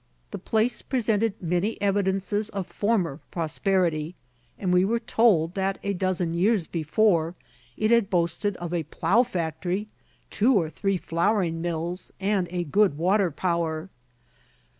The place presented many evidences of former prosperity, and we were told that a dozen years before it had boasted of a plough factory, two or three flouring mills, and a good water power.